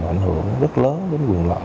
ảnh hưởng rất lớn đến quyền lợi